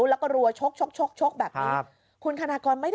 ตอนต่อไป